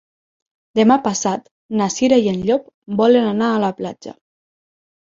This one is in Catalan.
Demà passat na Cira i en Llop volen anar a la platja.